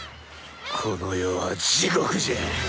この世は地獄じゃ！